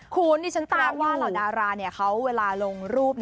คุ้นนี่ฉันตามอยู่เพราะว่าเหล่าดาราเขาเวลาลงรูป